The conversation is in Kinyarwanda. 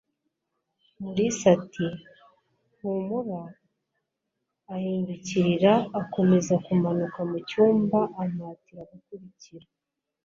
Mulisa ati: "Humura", ahindukirira, akomeza kumanuka mu cyumba ampatira gukurikira.